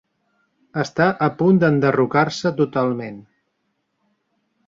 Està a punt d'enderrocar-se totalment.